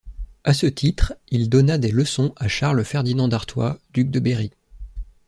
À ce titre il donna des leçons à Charles Ferdinand d'Artois, duc de Berry.